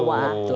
nah justru itu